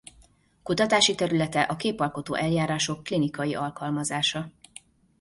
Kutatási területe a képalkotó eljárások klinikai alkalmazása.